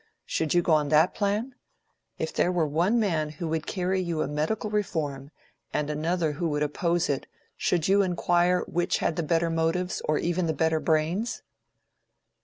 Should you go on that plan? If there were one man who would carry you a medical reform and another who would oppose it, should you inquire which had the better motives or even the better brains?"